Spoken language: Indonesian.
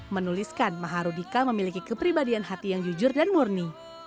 menuliskan maharudika memiliki kepribadian hati yang jujur dan murni